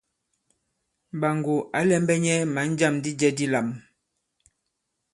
Mɓàŋgò ǎ lɛ̄mbɛ̄ nyɛ̄ mǎn jâm di jɛ̄ dilām.